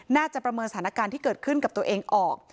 ประเมินสถานการณ์ที่เกิดขึ้นกับตัวเองออก